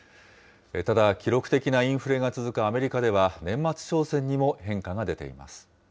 ただ、記録的なインフレが続くアメリカでは、年末商戦にも変化が出ています。